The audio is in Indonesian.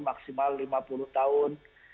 maksimal lima puluh tahun